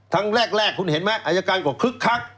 ทั้งแรกคุณเห็นไหมอายการของค็คะขัก